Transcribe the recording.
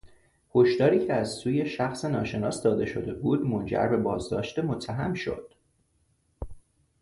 هشداری که از سوی شخص ناشناس داده شده بود منجر به بازداشت متهم شد.